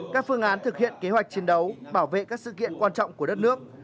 các phương án thực hiện kế hoạch chiến đấu bảo vệ các sự kiện quan trọng của đất nước